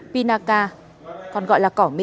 pinaca còn gọi là cỏng mỹ